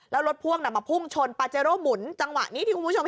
แล้วรถพ่วงมาพุ่งชนปาเจโร่หมุนจังหวะนี้ที่คุณผู้ชมเห็น